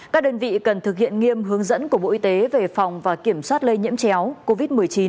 các đơn vị cần thực hiện nghiêm hướng dẫn của bộ y tế về phòng và kiểm soát lây nhiễm chéo covid một mươi chín